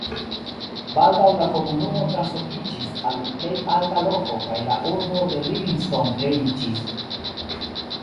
Baldaŭ la komunumo translokiĝis al plej alta loko kaj la urbo de Livingstone kreiĝis.